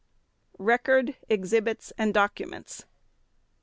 _Record, Exhibits, and Documents.